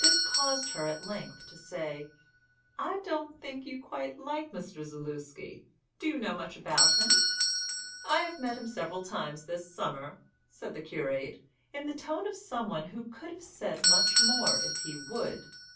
This caused her at length to say: "I don't think you quite like Mr. Zaluski. Do you know much about him?" "I have met him several times this summer," said the curate, in the tone of one who could have said much more if he would.